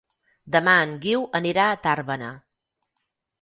Demà en Guiu anirà a Tàrbena.